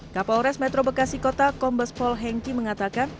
kapolres metro bekasi kota kombes pol hengki mengatakan